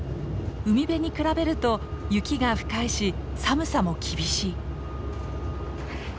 海辺に比べると雪が深いし寒さも厳しい。